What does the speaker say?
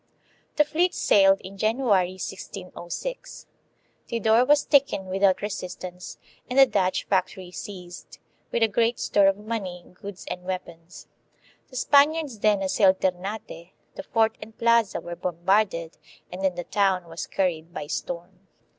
1 The fleet sailed in January, 1606. Tidor was taken without resistance and the Dutch fac tory seized, with a great store of money, goods, and weapons. The Spaniards then assailed Ternate; the fort and plaza were bombarded, and then the town was car ried by storm.